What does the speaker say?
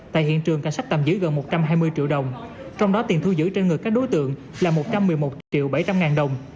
tại hiện trường cảnh sát tạm giữ gần một trăm hai mươi triệu đồng trong đó tiền thu giữ trên người các đối tượng là một trăm một mươi một triệu bảy trăm linh ngàn đồng